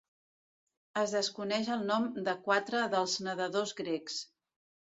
Es desconeix el nom de quatre dels nedadors grecs.